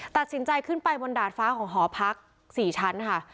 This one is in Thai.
ตัดสินใจขึ้นไปบนดาดฟ้าของหอพัก๔ชั้นค่ะ